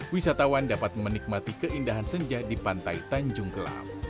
wisatawan dapat menikmati keindahan senja di pantai tanjung gelam